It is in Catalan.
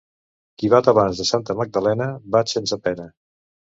Qui bat abans de Santa Magdalena, bat sense pena.